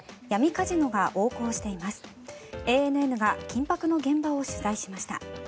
ＡＮＮが緊迫の現場を取材しました。